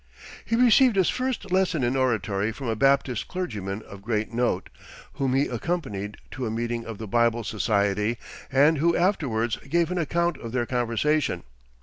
He received his first lesson in oratory from a Baptist clergyman of great note, whom he accompanied to a meeting of the Bible Society, and who afterwards gave an account of their conversation.